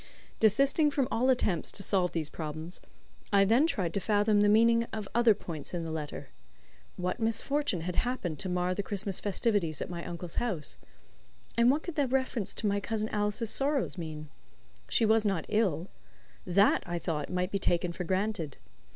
Desisting from all attempts to solve these problems, I then tried to fathom the meaning of other points in the letter. What misfortune had happened to mar the Christmas festivities at my uncle's house? And what could the reference to my cousin Alice's sorrows mean? She was not ill. That, I thought, might be taken for granted.